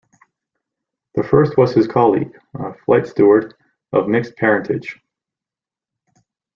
The first was his colleague, a flight steward of mixed parentage.